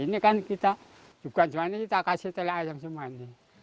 ini kan kita bukan cuma ini kita kasih tele ayam semua ini